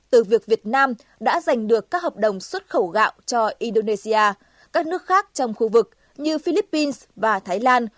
từ việc việt nam đã giành được các hợp đồng xuất khẩu gạo cho indonesia các nước khác trong khu vực như philippines và thái lan